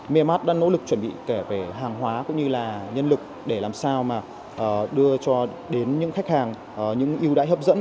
mymat đã nỗ lực chuẩn bị kể về hàng hóa cũng như là nhân lực để làm sao mà đưa cho đến những khách hàng những ưu đãi hấp dẫn